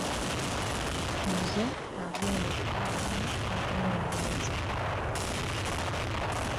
Nze ŋŋenda okukuliramu n'okunoonyereza.